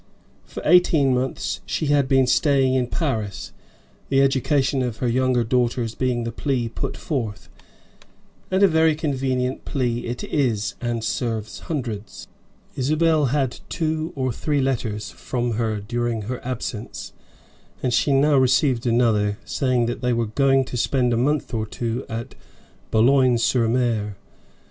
For eighteen months she had been staying in Paris, the education of her younger daughters being the plea put forth, and a very convenient plea it is, and serves hundreds. Isabel had two or three letters from her during her absence, and she now received another, saying they were going to spend a month or two at Boulogne sur Mer. Mr.